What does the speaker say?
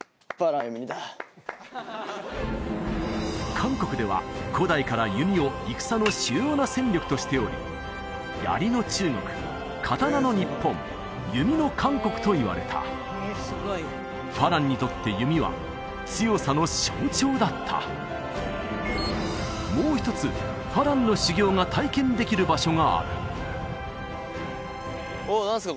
韓国では古代から弓を戦の主要な戦力としており槍の中国刀の日本弓の韓国といわれた花郎にとって弓は強さの象徴だったもう一つ花郎の修行が体験できる場所があるおお何ですか？